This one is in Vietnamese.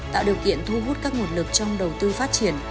tạo điều kiện thu hút các nguồn lực trong đầu tư phát triển